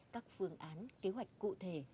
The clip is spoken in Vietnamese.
các phương án kế hoạch cụ thể